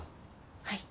はい。